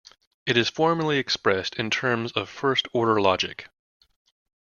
It is formally expressed in terms of first-order logic.